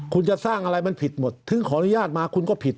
คุณจะสร้างอะไรมันผิดหมดถึงขออนุญาตมาคุณก็ผิด